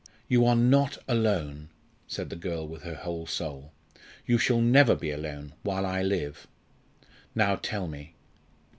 "You are not alone," said the girl with her whole soul. "You shall never be alone while I live. Now tell me."